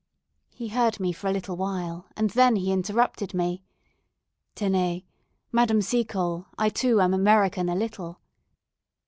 He heard me for a little while, and then he interrupted me. "Tenez! Madame Seacole, I too am American a little."